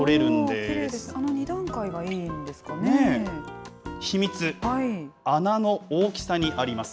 あの２段階がい秘密、穴の大きさにあります。